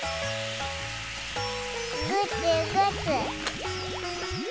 ぐつぐつ。